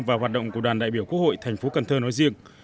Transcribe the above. và hoạt động của đoàn đại biểu quốc hội thành phố cần thơ nói riêng